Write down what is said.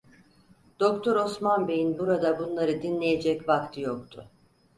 Doktor Osman Bey'in burada bunları dinleyecek vakti yok.